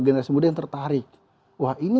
generasi muda yang tertarik wah ini